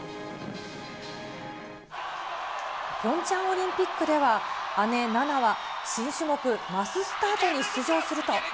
ピョンチャンオリンピックでは、姉、菜那は新種目、マススタートに出場すると。